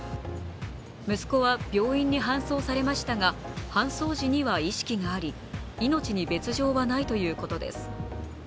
息子は病院に搬送されましたが搬送時には意識があり命に別状はないということです。